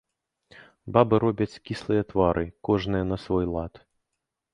Бабы робяць кіслыя твары, кожная на свой лад.